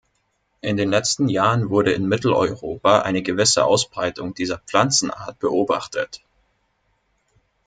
In den letzten Jahren wurde in Mitteleuropa eine gewisse Ausbreitung dieser Pflanzenart beobachtet.